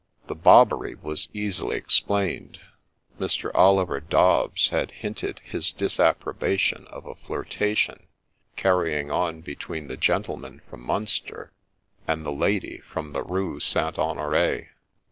The ' bobbery ' was easily explained. Mr. Oliver Dobbs had hinted his disapprobation of a flirtation carrying on between the gentleman from Munster and the lady from the Rue St. Honore.